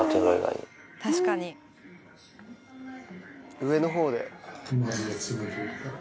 上のほうへ。